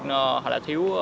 hoặc là thiếu